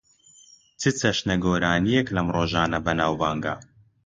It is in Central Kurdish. چ چەشنە گۆرانییەک لەم ڕۆژانە بەناوبانگە؟